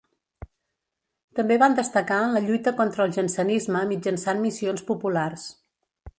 També van destacar en la lluita contra el jansenisme mitjançant missions populars.